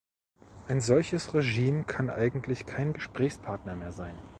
Ein solches Regime kann eigentlich kein Gesprächspartner mehr sein.